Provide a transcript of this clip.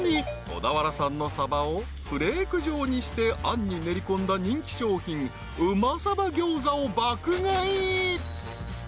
小田原産のサバをフレーク状にしてあんに練りこんだ人気商品旨さば餃子を爆買い］